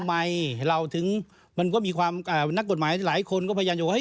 ทำไมเราถึงมันก็มีความนักกฎหมายหลายคนก็พยายามจะว่า